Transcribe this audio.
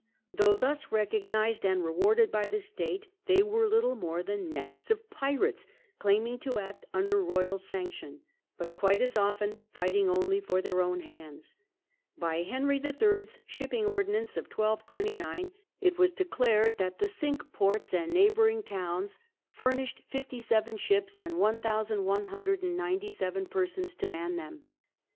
Though thus recognized and re warded by the state, they were little more than nests of The Cinque pirates, claiming to act under royal sanction, Ports. but quite as often fighting only for their own hands. By Henry III.'s Shipping Ordinance of 1229, it was declared that the Cinque Ports and neighbouring towns THE STRENGTH OF ENGLAND. Ill furnished fifty seven ships, and one thousand one hun dred and ninety seven persons to man them.